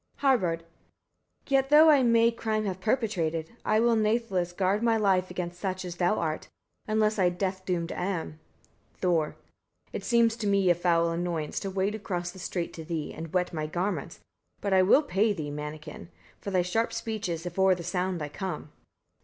Harbard. 12. Yet, though I may crime have perpetrated, I will nathless guard my life against such as thou art; unless I death doomed am. Thor. 13. It seems to me a foul annoyance to wade across the strait to thee, and wet my garments: but I will pay thee, mannikin! for thy sharp speeches, if o'er the sound I come.